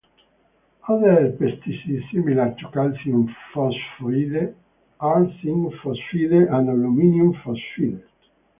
Other pesticides similar to calcium phosphide are zinc phosphide and aluminium phosphide.